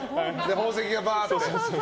宝石がバーって。